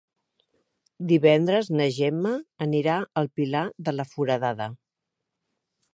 Divendres na Gemma anirà al Pilar de la Foradada.